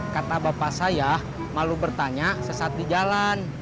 kata bapak saya malu bertanya sesat di jalan